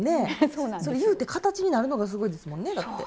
それ言うて形になるのがすごいですもんねだって。